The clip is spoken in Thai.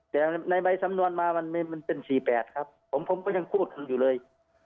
แต่ในใบสำนวนมามันมันเป็นสี่แปดครับผมผมก็ยังพูดกันอยู่เลย